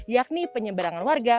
yakni penyebarangan warga